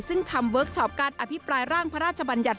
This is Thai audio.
ซึ่งทำเวิร์คชอปการอภิปรายร่างพระราชบัญญัติ